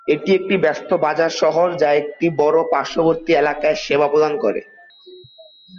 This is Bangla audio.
এটি একটি ব্যস্ত বাজার শহর যা একটি বড় পার্শ্ববর্তী এলাকায় সেবা প্রদান করে।